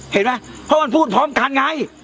เห็นไหมเพราะมันพูดพร้อมกันไง